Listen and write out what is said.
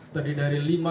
terdiri dari lima